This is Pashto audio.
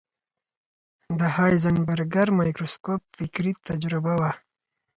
د هایزنبرګر مایکروسکوپ فکري تجربه وه.